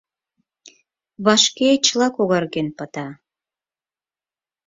— Вашке чыла когарген пыта.